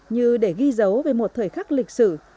như để ghi dấu về một thời khắc lịch sử